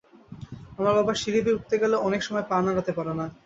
আমার বাবা সিঁড়ি বেয়ে উঠতে গেলে অনেক সময় পা নাড়াতে পারে না।